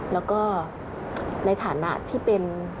แล้วก็ในฐานะที่เป็น